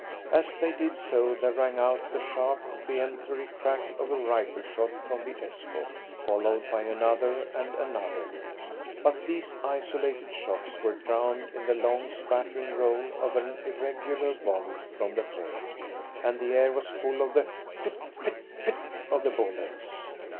As they did so there rang out the sharp, peremptory crack of a rifle shot from the escort, followed by another and another, but these isolated shots were drowned in the long, spattering roll of an irregular volley from the plain, and the air was full of the phit phit phit of the bullets.